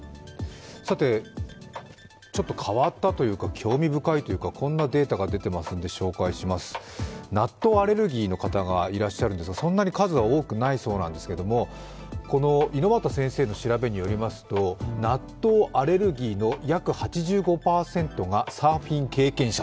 さて、ちょっと変わったというか興味深いというかこんなデータが出ているので紹介します、納豆アレルギーの方がいらっしゃるんですが、そんなに数は多くないそうなんですけど猪又先生の調べによりますと僕はどっちかというとサーファーアレルギーなんですね。